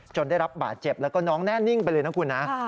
ได้รับบาดเจ็บแล้วก็น้องแน่นิ่งไปเลยนะคุณนะ